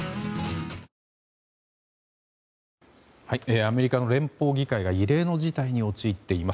アメリカの連邦議会が異例の事態に陥っています。